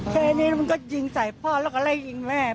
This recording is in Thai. แค่นี้มันก็ยิงใส่พ่อแล้วก็ไล่ยิงแม่